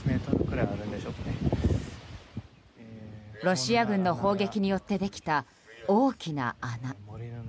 ロシア軍の砲撃によってできた大きな穴。